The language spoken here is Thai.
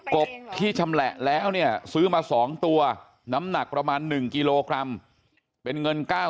บที่ชำแหละแล้วเนี่ยซื้อมา๒ตัวน้ำหนักประมาณ๑กิโลกรัมเป็นเงิน๙๐๐